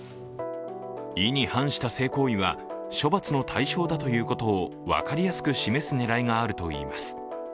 意に反した性行為は処罰の対象だということを分かりやすく示す狙いがあるといいます。